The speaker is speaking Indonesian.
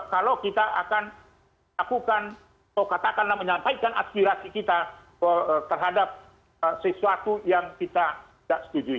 kalau kita akan lakukan atau katakanlah menyampaikan aspirasi kita terhadap sesuatu yang kita tidak setuju